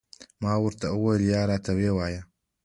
ما ورته وویل، یا راته ووایه.